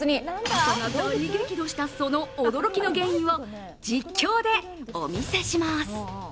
パパが大激怒したその驚きの原因を実況でお見せします。